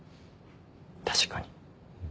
確かに。